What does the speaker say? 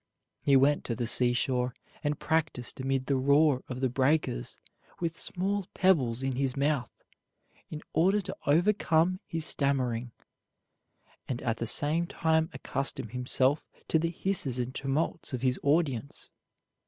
He went to the seashore and practised amid the roar of the breakers with small pebbles in his mouth, in order to overcome his stammering, and at the same time accustom himself to the hisses and tumults of his audience.